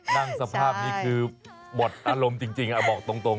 สภาพนี้คือหมดอารมณ์จริงบอกตรง